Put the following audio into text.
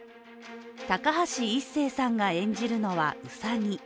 高橋一生さんが演じるのは兎。